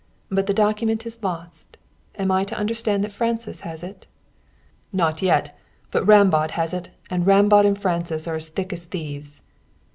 But the document is lost, am I to understand that Francis has it?" "Not yet! But Rambaud has it, and Rambaud and Francis are as thick as thieves."